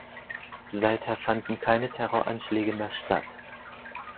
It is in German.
Seither fanden keine Terroranschläge mehr statt.